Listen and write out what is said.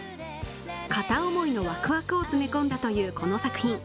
片思いのワクワクを詰め込んだというこの作品。